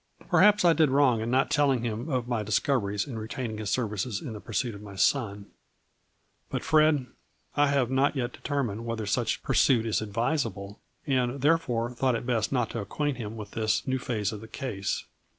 " Perhaps I did wrong in not telling him of my discoveries and retaining his services in the pursuit of my son, but, Fred, I have not yet de termined whether such pursuit is advisable, and, therefore, thought it best not to acquaint him with this new phase of the case."